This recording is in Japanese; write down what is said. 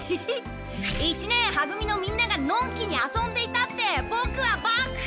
一年は組のみんながのんきに遊んでいたってボクはボク！